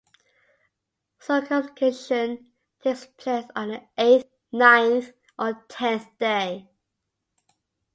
Circumcision takes place on the eighth, ninth, or tenth day.